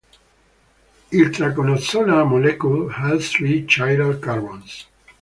Itraconazole molecule has three chiral carbons.